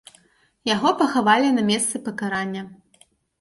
Яго пахавалі на месцы пакарання.